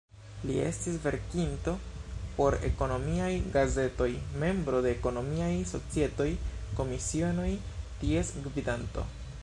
Li estis verkinto por ekonomiaj gazetoj, membro de ekonomiaj societoj, komisionoj, ties gvidanto.